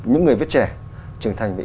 những người viết trẻ trưởng thành về